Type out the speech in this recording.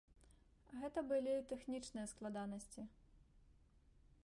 Гэта былі тэхнічныя складанасці.